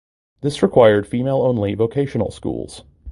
This required female only vocational schools.